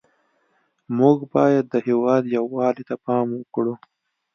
موږ باید د هېواد یووالي ته پام وکړو